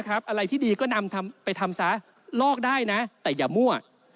อะไรที่ดีก็นำไปทำซะลอกได้นะแต่อย่ามั่ว